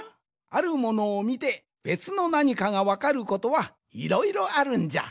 あるものをみてべつのなにかがわかることはいろいろあるんじゃ。